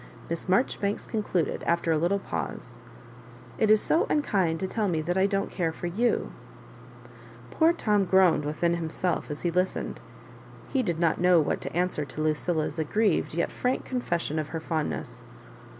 Miss Marjoribanks concludedj after a little pause :" It is so unkind to tell me that I don't care for you:' Poor Tom groaned within himself as he listen ed. He did not know what to answer to Lucil la's aggrieved yet frank confession of her fond ness.